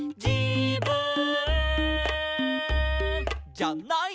「じゃない」